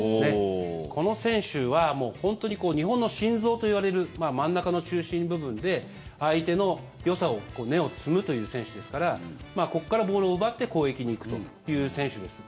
この選手は本当に日本の心臓といわれる真ん中の中心部分で相手のよさを芽を摘むという選手ですからここからボールを奪って攻撃に行くという選手です。